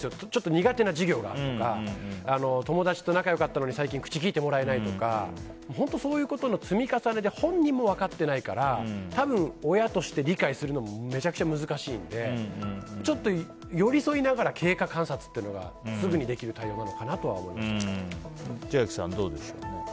苦手な授業があるとか友達と仲良かったのに最近口きいてもらえないとか本当そういうことの積み重ねで本人も分かってないから多分、親として理解するのもめちゃくちゃ難しいのでちょっと寄り添いながら経過観察っていうのがすぐにできる対応なのかなと千秋さんはどうでしょう？